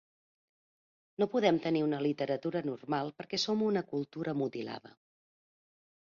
No podem tenir una literatura normal perquè som una cultura mutilada.